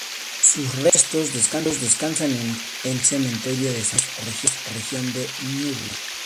Sus restos descansan en el Cementerio de San Carlos, Región de Ñuble.